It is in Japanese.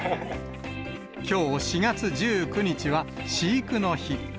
きょう４月１９日は飼育の日。